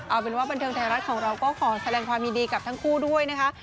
เอาเป็นว่าบันเทิงไทยรัฐของเราก็ขอแสดงความยินดีกับทั้งคู่ด้วยนะคะ